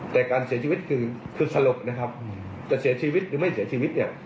แต่การเสียชีวิตคือคือสลบนะครับจะเสียชีวิตหรือไม่เสียชีวิตเนี่ย